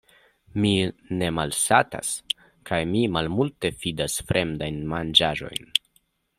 Mi ne malsatas, kaj mi malmulte fidas fremdajn manĝaĵojn.